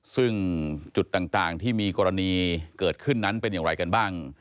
ซึ่งจุดต่างที่มีกรณีเกิดขึ้นนั้นเป็นอย่างไรกันบ้าง